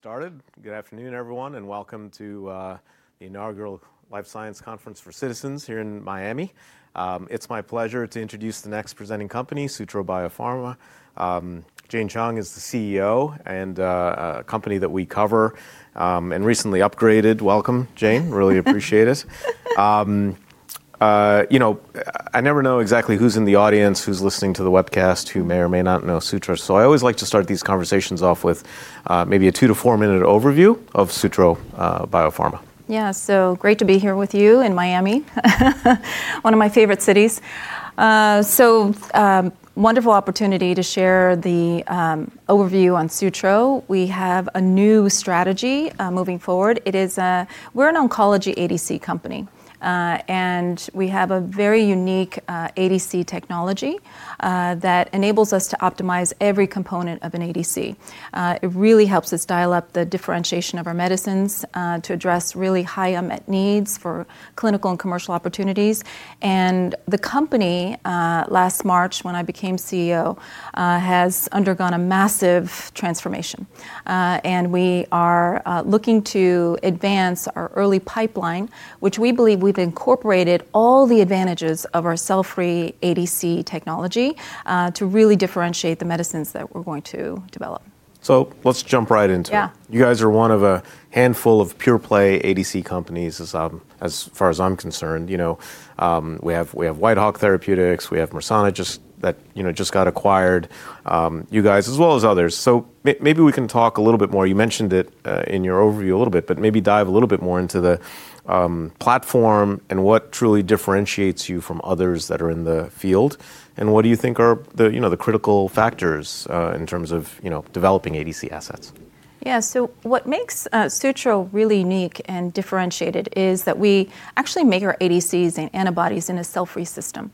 Good afternoon, everyone, and welcome to the Inaugural Life Science Conference for Citizens here in Miami. It's my pleasure to introduce the next presenting company, Sutro Biopharma. Jane Chung is the CEO, and a company that we cover and recently upgraded. Welcome, Jane. Really appreciate it. You know, I never know exactly who's in the audience, who's listening to the webcast, who may or may not know Sutro, so I always like to start these conversations off with maybe a two-four minute overview of Sutro Biopharma. Yeah. Great to be here with you in Miami, one of my favorite cities. Wonderful opportunity to share the overview on Sutro. We have a new strategy moving forward. We're an oncology ADC company, and we have a very unique ADC technology that enables us to optimize every component of an ADC. It really helps us dial up the differentiation of our medicines to address really high unmet needs for clinical and commercial opportunities. The company last March, when I became CEO, has undergone a massive transformation, and we are looking to advance our early pipeline, which we believe we've incorporated all the advantages of our cell-free ADC technology to really differentiate the medicines that we're going to develop. Let's jump right into it. Yeah. You guys are one of a handful of pure play ADC companies as far as I'm concerned. You know, we have Whitehawk Therapeutics, we have Mersana that just got acquired, you know, you guys, as well as others. Maybe we can talk a little bit more. You mentioned it in your overview a little bit, but maybe dive a little bit more into the platform and what truly differentiates you from others that are in the field. What do you think are the critical factors in terms of developing ADC assets? Yeah. What makes Sutro really unique and differentiated is that we actually make our ADCs and antibodies in a cell-free system.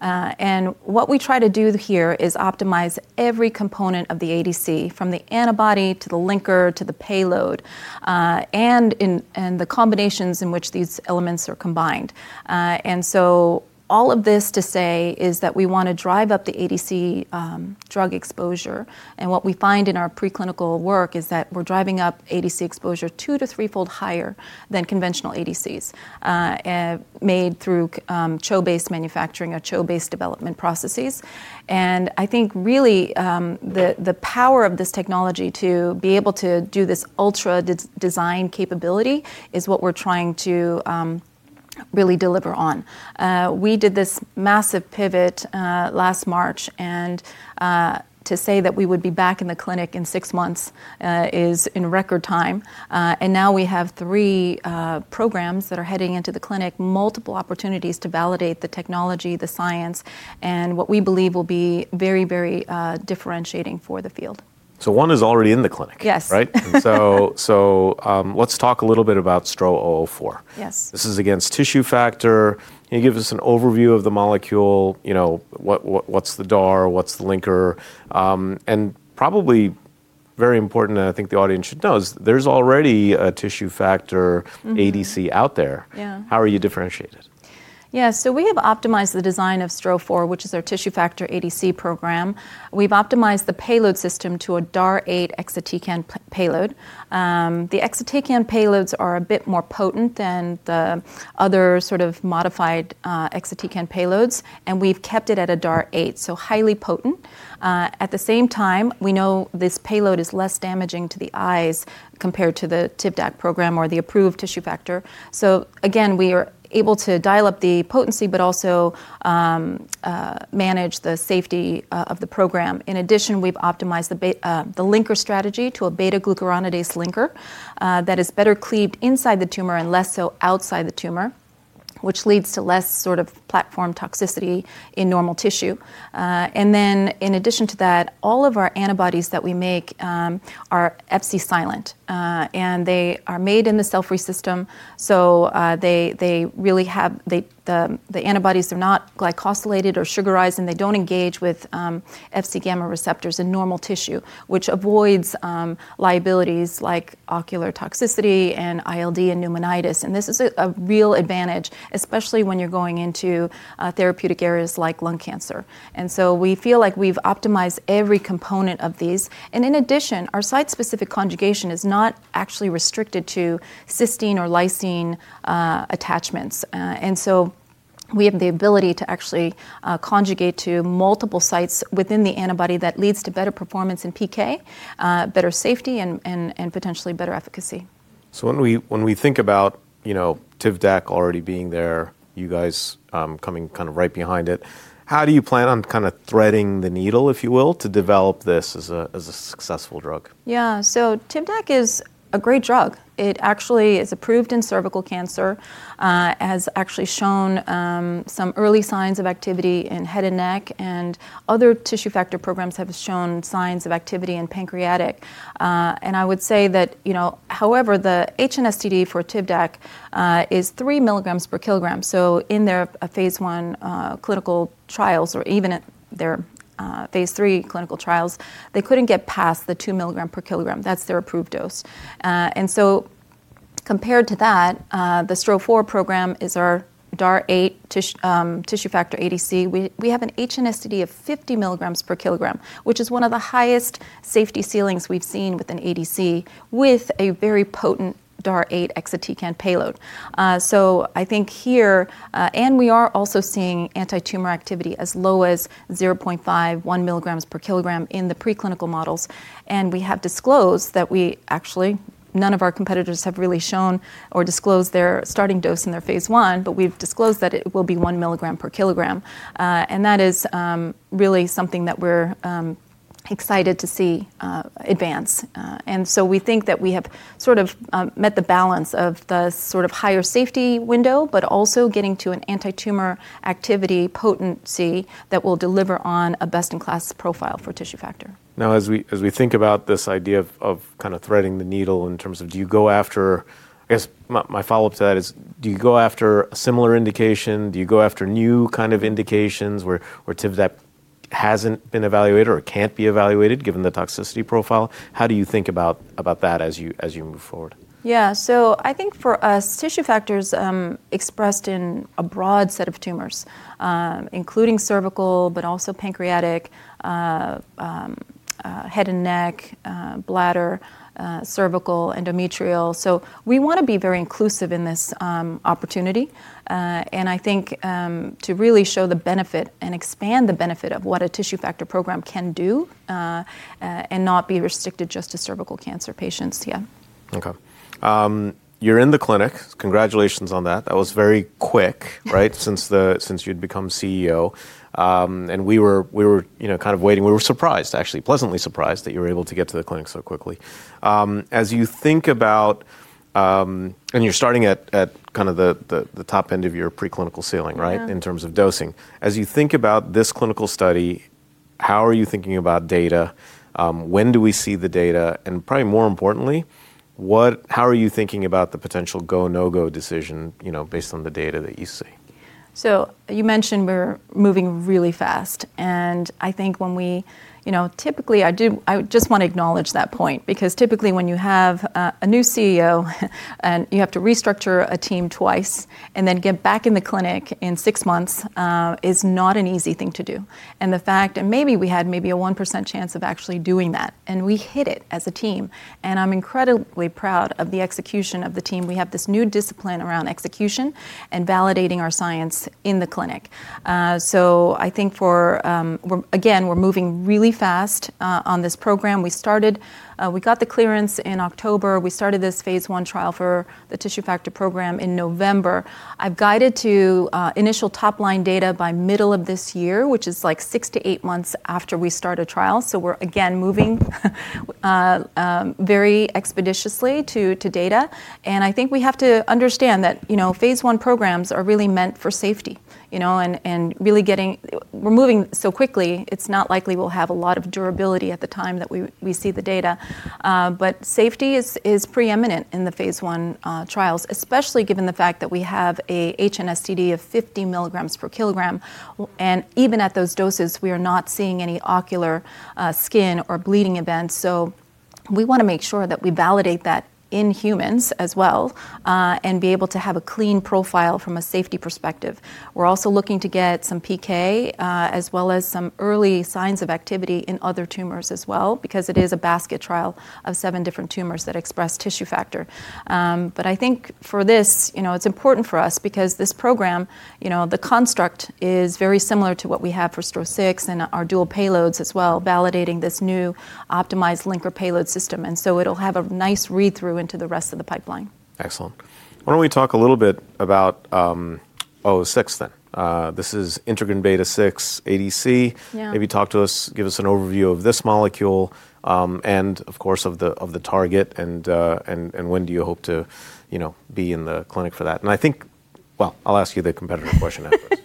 What we try to do here is optimize every component of the ADC, from the antibody to the linker to the payload, and the combinations in which these elements are combined. All of this to say is that we wanna drive up the ADC drug exposure, and what we find in our preclinical work is that we're driving up ADC exposure two to three fold higher than conventional ADCs made through CHO-based manufacturing or CHO-based development processes. I think really the power of this technology to be able to do this iterative design capability is what we're trying to really deliver on. We did this massive pivot last March, and to say that we would be back in the clinic in six months is in record time. Now we have three programs that are heading into the clinic, multiple opportunities to validate the technology, the science, and what we believe will be very, very differentiating for the field. One is already in the clinic. Yes. Right? Let's talk a little bit about STRO-004. Yes. This is against tissue factor. Can you give us an overview of the molecule? You know, what's the DAR? What's the linker? And probably very important, and I think the audience should know is there's already a tissue factor. ADC out there. How are you differentiated? Yeah. We have optimized the design of STRO-004, which is our tissue factor ADC program. We've optimized the payload system to a DAR 8 exatecan payload. The exatecan payloads are a bit more potent than the other sort of modified exatecan payloads, and we've kept it at a DAR 8, so highly potent. At the same time, we know this payload is less damaging to the eyes compared to the Tivdak program or the approved tissue factor. Again, we are able to dial up the potency but also manage the safety of the program. In addition, we've optimized the linker strategy to a beta-glucuronidase linker that is better cleaved inside the tumor and less so outside the tumor, which leads to less sort of platform toxicity in normal tissue. In addition to that, all of our antibodies that we make are Fc silent, and they are made in the cell-free system. The antibodies are not glycosylated or sugarized, and they don't engage with Fc gamma receptors in normal tissue, which avoids liabilities like ocular toxicity and ILD and pneumonitis. This is a real advantage, especially when you're going into therapeutic areas like lung cancer. We feel like we've optimized every component of these. In addition, our site-specific conjugation is not actually restricted to cysteine or lysine attachments. We have the ability to actually conjugate to multiple sites within the antibody that leads to better performance in PK, better safety, and potentially better efficacy. When we think about, you know, Tivdak already being there, you guys coming kind of right behind it, how do you plan on kind of threading the needle, if you will, to develop this as a successful drug? Yeah. Tivdak is a great drug. It actually is approved in cervical cancer, has actually shown some early signs of activity in head and neck and other tissue factor programs have shown signs of activity in pancreatic. I would say that, you know, however, the HNSTD for Tivdak is 3 milligrams per kilogram. In their phase I clinical trials or even at their phase III clinical trials, they couldn't get past the 2 milligrams per kilogram. That's their approved dose. Compared to that, the STRO-004 program is our DAR 8 tissue factor ADC. We have an HNSTD of 50 milligrams per kilogram, which is one of the highest safety ceilings we've seen with an ADC with a very potent DAR 8 exatecan payload. I think here, we are also seeing antitumor activity as low as 0.5-1 mg/kg in the preclinical models, and we have disclosed that we actually none of our competitors have really shown or disclosed their starting dose in their phase I, but we've disclosed that it will be 1 mg/kg, and that is really something that we're excited to see advance. We think that we have sort of met the balance of the sort of higher safety window, but also getting to an antitumor activity potency that will deliver on a best-in-class profile for tissue factor. Now, as we think about this idea of kind of threading the needle in terms of do you go after. I guess my follow-up to that is do you go after a similar indication? Do you go after new kind of indications where Tivdak hasn't been evaluated or can't be evaluated given the toxicity profile? How do you think about that as you move forward? Yeah. I think for us, tissue factor's expressed in a broad set of tumors, including cervical, but also pancreatic, head and neck, bladder, cervical, endometrial. We wanna be very inclusive in this opportunity, and I think to really show the benefit and expand the benefit of what a tissue factor program can do, and not be restricted just to cervical cancer patients. Yeah. Okay. You're in the clinic. Congratulations on that. That was very quick, right? Since you'd become CEO. We were, you know, kind of waiting. We were surprised actually, pleasantly surprised that you were able to get to the clinic so quickly. As you think about, and you're starting at kind of the top end of your preclinical ceiling, right? In terms of dosing. As you think about this clinical study, how are you thinking about data? When do we see the data? Probably more importantly, how are you thinking about the potential go, no-go decision, you know, based on the data that you see? You mentioned we're moving really fast. I just wanna acknowledge that point because typically when you have a new CEO and you have to restructure a team twice, and then get back in the clinic in six months is not an easy thing to do. The fact that maybe we had a 1% chance of actually doing that, and we hit it as a team, and I'm incredibly proud of the execution of the team. We have this new discipline around execution and validating our science in the clinic. I think again, we're moving really fast on this program. We got the clearance in October. We started this phase I trial for the tissue factor program in November. I've guided to initial top-line data by middle of this year, which is like six-eight months after we start a trial, so we're again moving very expeditiously to data. I think we have to understand that, you know, phase I programs are really meant for safety, you know. We're moving so quickly, it's not likely we'll have a lot of durability at the time that we see the data. Safety is preeminent in the phase I trials, especially given the fact that we have a HNSTD of 50 milligrams per kilogram. Even at those doses, we are not seeing any ocular, skin, or bleeding events. We wanna make sure that we validate that in humans as well, and be able to have a clean profile from a safety perspective. We're also looking to get some PK, as well as some early signs of activity in other tumors as well because it is a basket trial of seven different tumors that express tissue factor. I think for this, you know, it's important for us because this program, you know, the construct is very similar to what we have for STRO-006 and our dual payloads as well, validating this new optimized linker payload system. It'll have a nice read-through into the rest of the pipeline. Excellent. Why don't we talk a little bit about 006 then? This is integrin beta 6 ADC. Yeah. Maybe talk to us, give us an overview of this molecule, and of course, of the target and when do you hope to, you know, be in the clinic for that? I think. Well, I'll ask you the competitor question afterwards.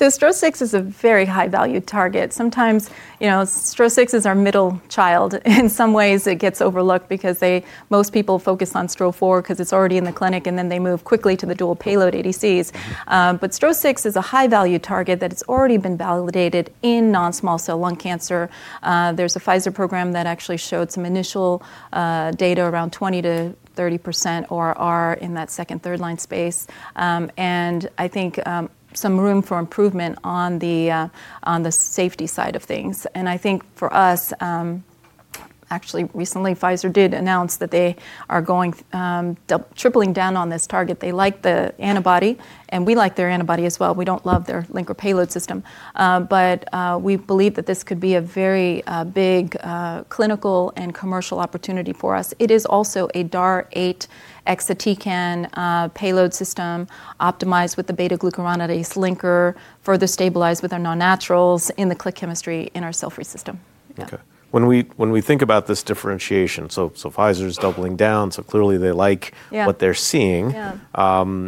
Yeah. STRO-006 is a very high value target. Sometimes, you know, STRO-006 is our middle child. In some ways it gets overlooked because they, most people focus on STRO-004 'cause it's already in the clinic, and then they move quickly to the dual payload ADCs. But STRO-006 is a high value target that it's already been validated in non-small cell lung cancer. There's a Pfizer program that actually showed some initial data around 20%-30% ORR in that second, third line space. And I think some room for improvement on the safety side of things. I think for us, actually recently Pfizer did announce that they are going tripling down on this target. They like the antibody, and we like their antibody as well. We don't love their linker payload system. We believe that this could be a very big clinical and commercial opportunity for us. It is also a DAR 8 exatecan payload system optimized with the beta-glucuronidase linker, further stabilized with our non-naturals in the click chemistry in our sulfonamide system. Okay. When we think about this differentiation, so Pfizer's doubling down, so clearly they like, what they're seeing. Yeah.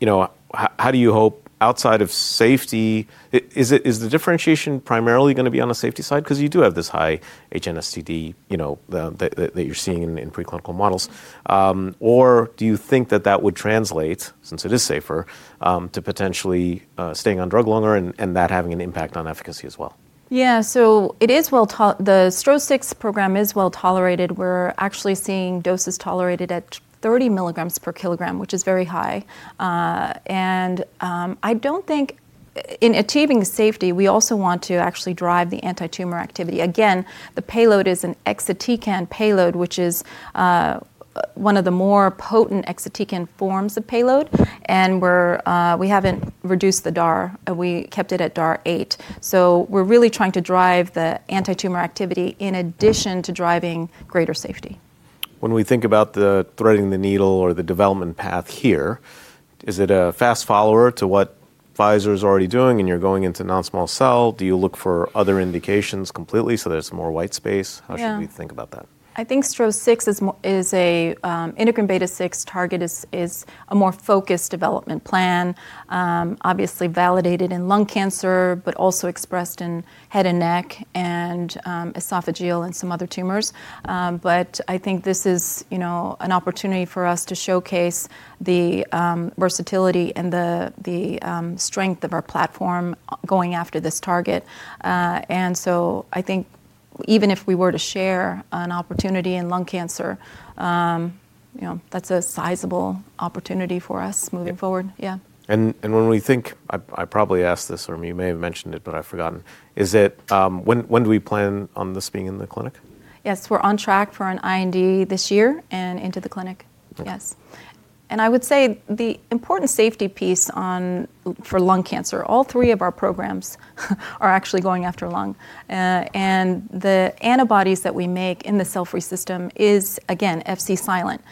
You know, how do you hope outside of safety? Is the differentiation primarily gonna be on the safety side 'cause you do have this high HNSTD, you know, that you're seeing in preclinical models? Do you think that would translate, since it is safer, to potentially staying on drug longer and that having an impact on efficacy as well? Yeah. The STRO-006 program is well tolerated. We're actually seeing doses tolerated at 30 milligrams per kilogram, which is very high. I don't think in achieving safety, we also want to actually drive the anti-tumor activity. Again, the payload is an exatecan payload, which is one of the more potent exatecan forms of payload, and we haven't reduced the DAR. We kept it at DAR 8. We're really trying to drive the anti-tumor activity in addition to driving greater safety. When we think about threading the needle or the development path here, is it a fast follower to what Pfizer's already doing, and you're going into non-small cell? Do you look for other indications completely so there's some more white space? Yeah. How should we think about that? I think STRO-006 is a integrin beta 6 targeting is a more focused development plan, obviously validated in lung cancer, but also expressed in head and neck and esophageal and some other tumors. I think this is, you know, an opportunity for us to showcase the versatility and the strength of our platform going after this target. I think even if we were to share an opportunity in lung cancer, you know, that's a sizable opportunity for us moving forward. I probably asked this, or you may have mentioned it, but I've forgotten. Is it, when do we plan on this being in the clinic? Yes, we're on track for an IND this year and into the clinic, yes. I would say the important safety piece on, for lung cancer, all three of our programs are actually going after lung. And the antibodies that we make in the cell-free system is, again, Fc silent.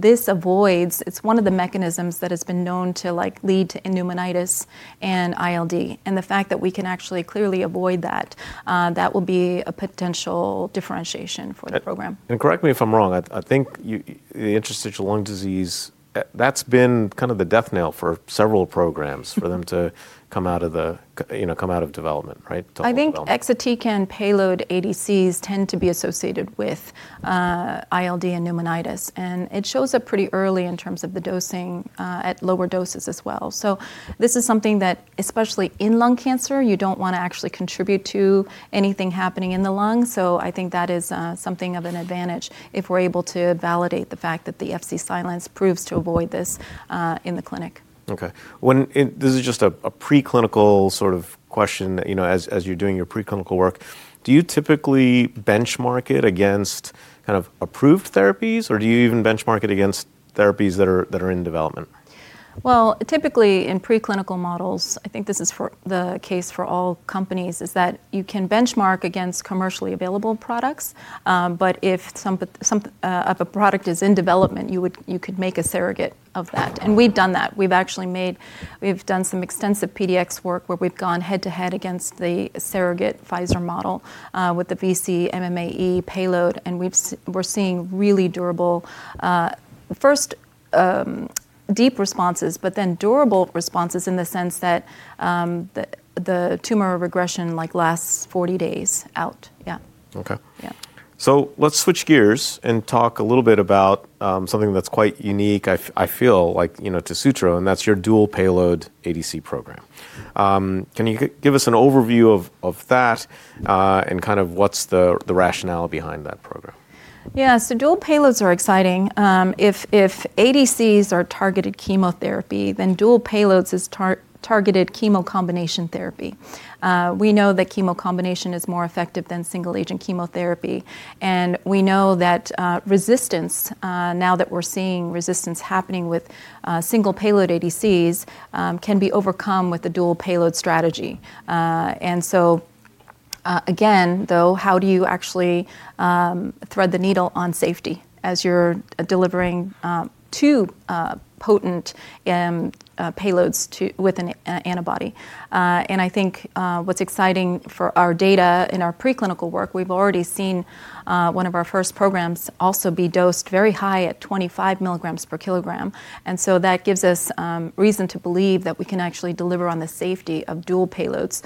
This avoids. It's one of the mechanisms that has been known to, like, lead to pneumonitis and ILD. The fact that we can actually clearly avoid that will be a potential differentiation for the program. Correct me if I'm wrong, I think, you know, the interstitial lung disease, that's been kind of the death knell for several programs for them to, you know, come out of development, right? To halt development. I think exatecan payload ADCs tend to be associated with ILD and pneumonitis, and it shows up pretty early in terms of the dosing at lower doses as well. This is something that, especially in lung cancer, you don't wanna actually contribute to anything happening in the lung. I think that is something of an advantage if we're able to validate the fact that the Fc silent proves to avoid this in the clinic. Okay. This is just a preclinical sort of question that, you know, as you're doing your preclinical work, do you typically benchmark it against kind of approved therapies, or do you even benchmark it against therapies that are in development? Well, typically in preclinical models, I think this is the case for all companies, that you can benchmark against commercially available products. If some product is in development, you would, you could make a surrogate of that, and we've done that. We've actually done some extensive PDX work where we've gone head-to-head against the surrogate Pfizer model with the vc-MMAE payload, and we're seeing really durable first deep responses, but then durable responses in the sense that the tumor regression, like, lasts 40 days out. Yeah. Okay. Let's switch gears and talk a little bit about something that's quite unique, I feel, like, you know, to Sutro, and that's your dual-payload ADC program. Can you give us an overview of that, and kind of what's the rationale behind that program? Yeah. Dual payloads are exciting. If ADCs are targeted chemotherapy, then dual payloads is targeted chemo combination therapy. We know that chemo combination is more effective than single agent chemotherapy, and we know that resistance now that we're seeing resistance happening with single payload ADCs can be overcome with the dual payload strategy. Again, though, how do you actually thread the needle on safety as you're delivering two potent payloads with an antibody? I think what's exciting for our data in our preclinical work, we've already seen one of our first programs also be dosed very high at 25 milligrams per kilogram. That gives us reason to believe that we can actually deliver on the safety of dual payloads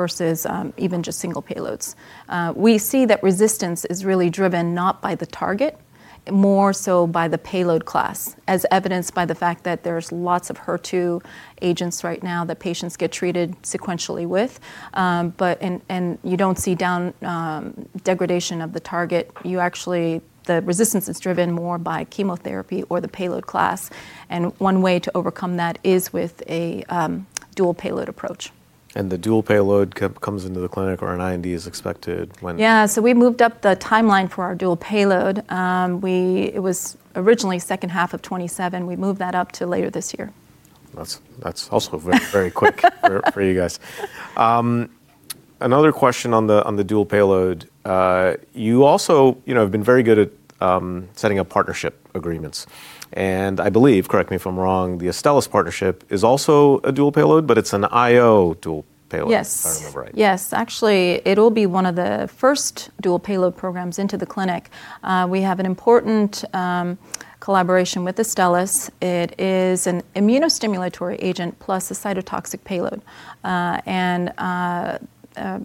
versus even just single payloads. We see that resistance is really driven not by the target, more so by the payload class, as evidenced by the fact that there's lots of HER2 agents right now that patients get treated sequentially with. You don't see degradation of the target. The resistance is driven more by chemotherapy or the payload class, and one way to overcome that is with a dual payload approach. The dual payload comes into the clinic or an IND is expected when? Yeah. We moved up the timeline for our dual payload. It was originally second half of 2027. We moved that up to later this year. That's also very quick for you guys. Another question on the dual payload. You also, you know, have been very good at setting up partnership agreements. I believe, correct me if I'm wrong, the Astellas partnership is also a dual payload, but it's an IO dual payload. If I remember right. Yes. Actually, it'll be one of the first dual payload programs into the clinic. We have an important collaboration with Astellas. It is an immuno-stimulatory agent plus a cytotoxic payload.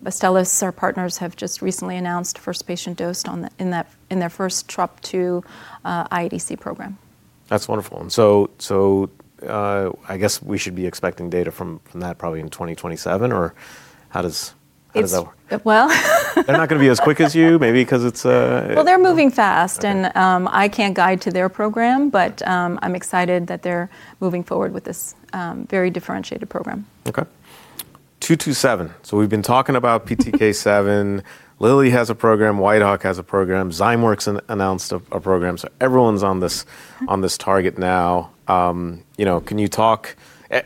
Astellas, our partners, have just recently announced first patient dosed in their first TROP2 iADC program. That's wonderful. I guess we should be expecting data from that probably in 2027 or how does that work? They're not gonna be as quick as you maybe 'cause it's. Well, they're moving fast. Okay. I can't guide to their program, but I'm excited that they're moving forward with this very differentiated program. Okay. 227. We've been talking about PTK7. Lilly has a program, Whitehawk has a program, Zymeworks announced a program, everyone's on this target now. You know,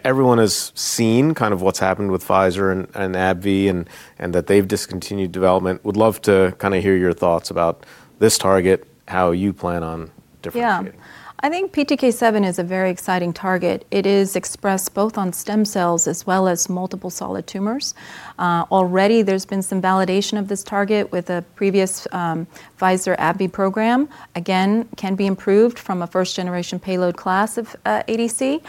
everyone has seen kind of what's happened with Pfizer and AbbVie and that they've discontinued development. Would love to kinda hear your thoughts about this target, how you plan on differentiating. I think PTK7 is a very exciting target. It is expressed both on stem cells as well as multiple solid tumors. Already there's been some validation of this target with a previous Pfizer-AbbVie program. Again, can be improved from a first-generation payload class of ADC.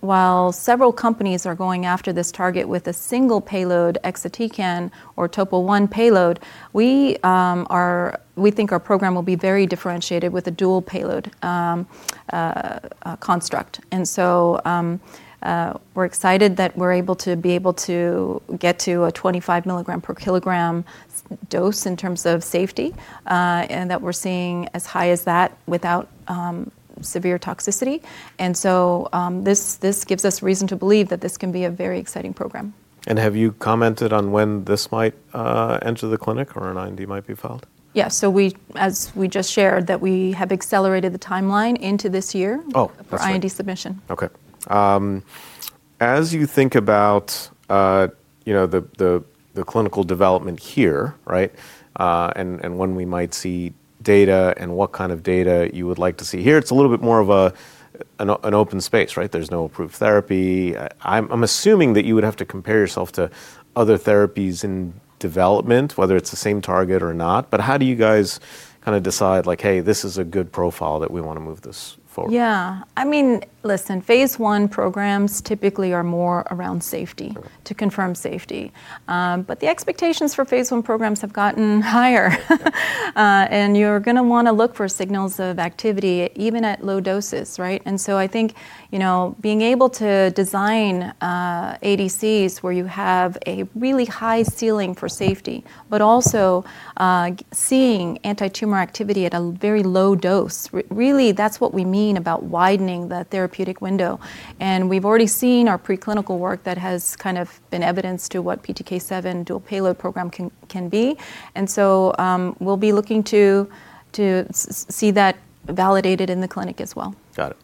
While several companies are going after this target with a single payload exatecan or Topo 1 payload, we think our program will be very differentiated with a dual payload construct. We're excited that we're able to get to a 25 milligram per kilogram safe dose in terms of safety, and that we're seeing as high as that without severe toxicity. This gives us reason to believe that this can be a very exciting program. Have you commented on when this might enter the clinic or an IND might be filed? Yeah. We, as we just shared, that we have accelerated the timeline into this year. Oh, perfect. For IND submission. Okay. As you think about the clinical development here, right, and when we might see data and what kind of data you would like to see here, it's a little bit more of an open space, right? There's no approved therapy. I'm assuming that you would have to compare yourself to other therapies in development, whether it's the same target or not. How do you guys kinda decide, like, "Hey, this is a good profile that we wanna move this forward? Yeah. I mean, listen, phase I programs typically are more around safety, to confirm safety. The expectations for phase one programs have gotten higher. You're gonna wanna look for signals of activity even at low doses, right? I think, you know, being able to design ADCs where you have a really high ceiling for safety, but also seeing antitumor activity at a very low dose, really that's what we mean about widening the therapeutic window. We've already seen our preclinical work that has kind of been evidence to what PTK7 dual payload program can be. We'll be looking to see that validated in the clinic as well. Got it.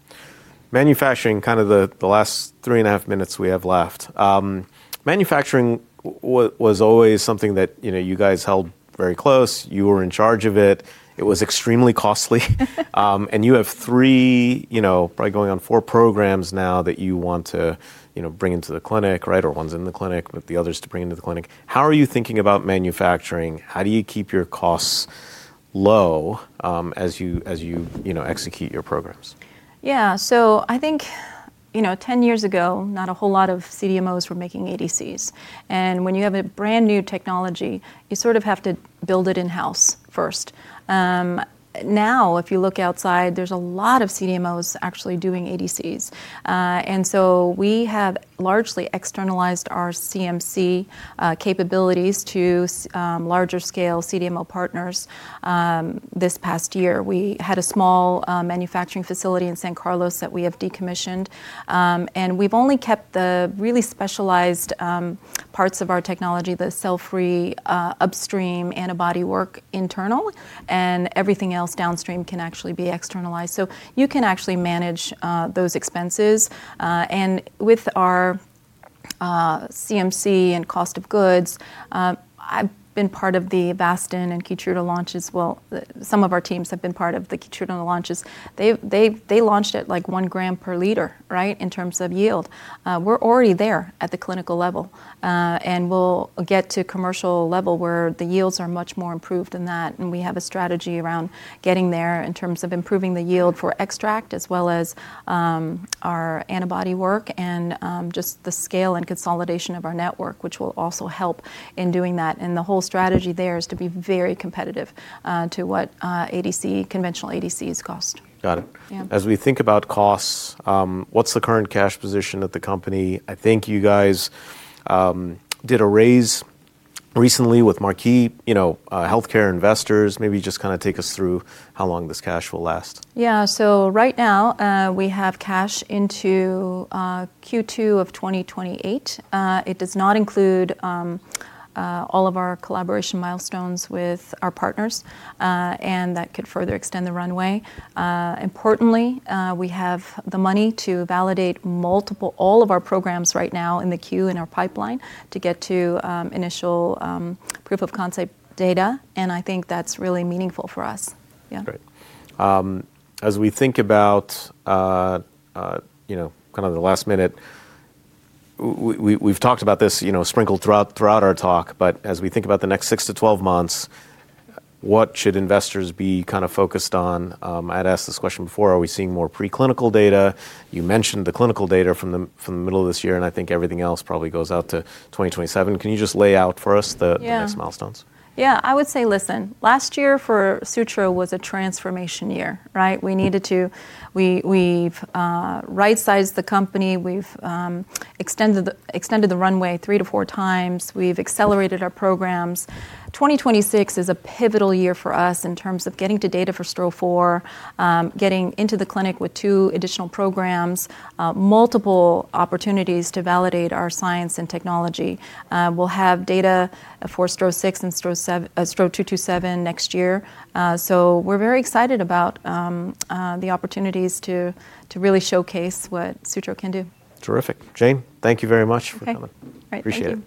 Manufacturing, kind of the last 3.5 minutes we have left. Manufacturing was always something that, you know, you guys held very close. You were in charge of it. It was extremely costly. You have three, you know, probably going on four programs now that you want to, you know, bring into the clinic, right? Or one's in the clinic with the others to bring into the clinic. How are you thinking about manufacturing? How do you keep your costs low, as you know, execute your programs? I think, you know, 10 years ago, not a whole lot of CDMOs were making ADCs. When you have a brand-new technology, you sort of have to build it in-house first. Now, if you look outside, there's a lot of CDMOs actually doing ADCs. We have largely externalized our CMC capabilities to larger scale CDMO partners this past year. We had a small manufacturing facility in San Carlos that we have decommissioned, and we've only kept the really specialized parts of our technology, the cell-free upstream antibody work internal, and everything else downstream can actually be externalized. You can actually manage those expenses. With our CMC and cost of goods, I've been part of the Avastin and KEYTRUDA launches. Well, some of our teams have been part of the KEYTRUDA launches. They launched at, like, 1 gram per liter, right, in terms of yield. We're already there at the clinical level. We'll get to commercial level where the yields are much more improved than that, and we have a strategy around getting there in terms of improving the yield for XpressCF as well as our antibody work and just the scale and consolidation of our network, which will also help in doing that. The whole strategy there is to be very competitive to what conventional ADCs cost. Got it. As we think about costs, what's the current cash position at the company? I think you guys did a raise recently with marquee, you know, healthcare investors. Maybe just kinda take us through how long this cash will last. Yeah. Right now, we have cash into Q2 of 2028. It does not include all of our collaboration milestones with our partners, and that could further extend the runway. Importantly, we have the money to validate all of our programs right now in the queue in our pipeline to get to initial proof of concept data, and I think that's really meaningful for us. Great. As we think about, you know, kind of the last minute, we've talked about this, you know, sprinkled throughout our talk, but as we think about the next 6-12 months, what should investors be kinda focused on? I'd asked this question before, are we seeing more preclinical data? You mentioned the clinical data from the middle of this year, and I think everything else probably goes out to 2027. Can you just lay out for us the next milestones? Yeah. I would say, listen, last year for Sutro was a transformation year, right? We've right-sized the company. We've extended the runway 3x-4x. We've accelerated our programs. 2026 is a pivotal year for us in terms of getting to data for STRO-004, getting into the clinic with two additional programs, multiple opportunities to validate our science and technology. We'll have data for STRO-006 and STRO-227 next year. So we're very excited about the opportunities to really showcase what Sutro can do. Terrific. Jane, thank you very much for coming. Okay. All right. Thank you.